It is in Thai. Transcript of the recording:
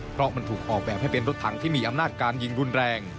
เพราะมันถูกออกแบบให้เป็นรถถังที่มีอำนาจการยิงรุนแรง